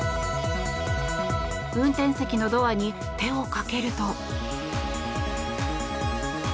運転席のドアに手をかけると。